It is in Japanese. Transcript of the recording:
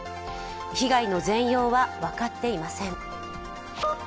被害の全容は分かっていません。